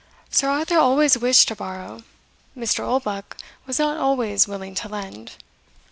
Sir Arthur always wished to borrow; Mr. Oldbuck was not always willing to lend.